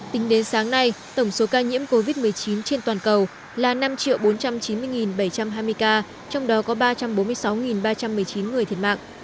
tính đến sáng nay tổng số ca nhiễm covid một mươi chín trên toàn cầu là năm bốn trăm chín mươi bảy trăm hai mươi ca trong đó có ba trăm bốn mươi sáu ba trăm một mươi chín người thiệt mạng